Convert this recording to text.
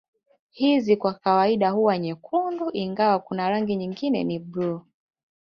Hizi kwa kawaida huwa nyekundu ingawa kuna rangi nyingine ni blue